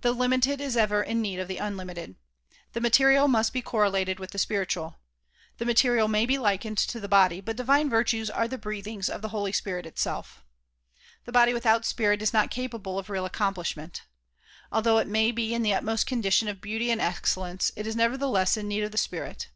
The limited is ever in need of the unlimited. The ma terial must be correlated with the spiritual. The material may be likened to the body but divine virtues are the breathings of the Holy Spirit itself. The body without spirit is not capable of real accomplishment. Although it may be in the utmost condition of beauty and excellence it is nevertheless in need of the spirit.